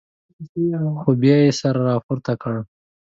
خو بیا یې سر راپورته کړ.